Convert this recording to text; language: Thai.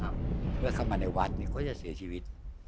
เมื่อเข้ามาในวัดก็จะเสียชีวิต